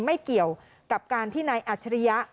ไม่เกี่ยวกับการที่นายอัจฉริยะ